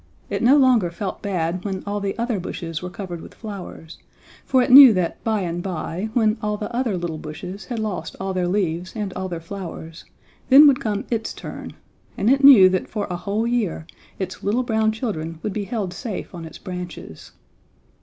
It no longer felt bad when all the other bushes were covered with flowers, for it knew that by and by when all the other little bushes had lost all their leaves and all their flowers, then would come its turn, and it knew that for a whole year its little brown children would be held safe on its branches.